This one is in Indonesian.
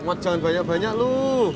eh mat jangan banyak banyak lo